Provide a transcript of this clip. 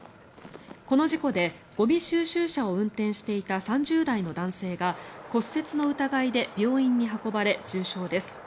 この事故でゴミ収集車を運転していた３０代の男性が骨折の疑いで病院に運ばれ重傷です。